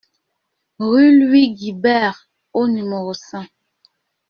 Rue Louis Guibert au numéro cinq